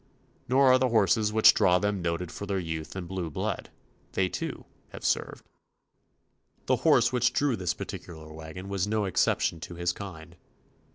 Nor are the horses which draw them noted for their youth and blue blood; they, too, have served. 72 TOMMY POSTOFFICE The horse which drew this partic ular wagon was no exception to his kind.